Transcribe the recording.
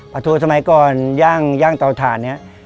โทสมัยก่อนย่างเตาถ่านเนี่ย